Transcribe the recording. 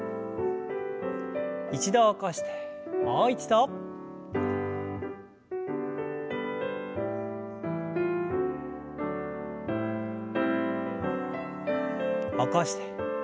一度起こしてもう一度。起こして。